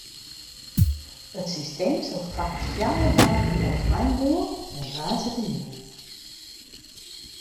It systeem sil faaks fjouwer dagen offline bliuwe, oant woansdeitemoarn.